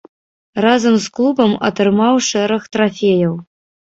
Разам з клубам атрымаў шэраг трафеяў.